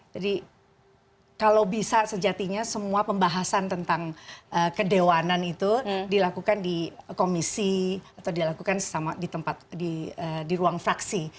jadi kalau bisa sejatinya semua pembahasan tentang kedewanan itu dilakukan di komisi atau dilakukan di ruang fraksi